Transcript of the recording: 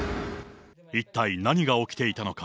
一体何が起きていたのか。